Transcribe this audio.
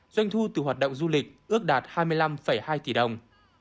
doanh thu từ hoạt động du lịch ước đạt hai mươi năm hai tỷ đồng